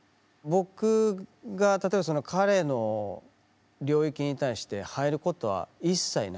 僕が例えばその彼の領域に対して入ることは一切ないと思います。